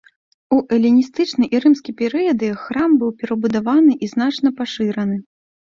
У эліністычны і рымскі перыяды храм быў перабудаваны і значна пашыраны.